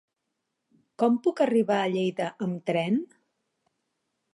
Com puc arribar a Lleida amb tren?